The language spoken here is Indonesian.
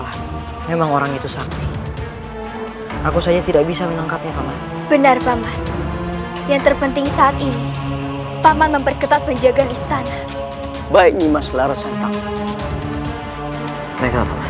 hari sudah malam